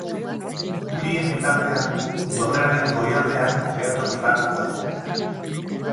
Bien bitartean, dorrearen goialdean behatoki bat dago.